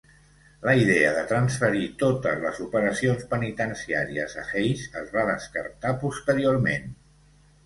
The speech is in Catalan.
La idea de transferir totes les operacions penitenciàries a Hayes es va descartar posteriorment.